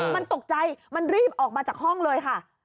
มันตกใจมันรีบออกมาจากห้องเลยค่ะ